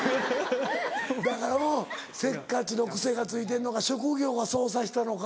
だからうんせっかちの癖がついてんのか職業がそうさしたのか。